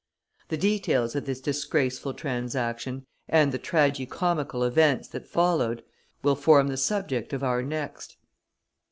The details of this disgraceful transaction, and the tragicomical events that followed, will form the subject of our next.